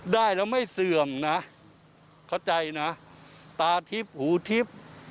ได้แล้วไม่เสื่อมนะเข้าใจนะตาทิพย์หูทิพย์